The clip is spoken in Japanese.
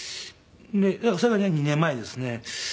それがね２年前ですね。